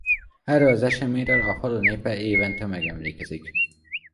Erről az eseményről a falu népe évente megemlékezik.